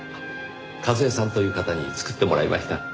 和江さんという方に作ってもらいました。